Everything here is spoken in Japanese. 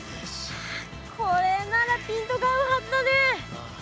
これならピントが合うはずだね。